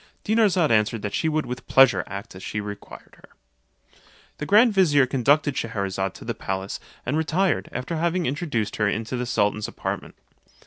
Dinarzade answered that she would with pleasure act as she required her. The grand vizier conducted Schcherazade to the palace, and retired, after having introduced her into the sultan's apartment.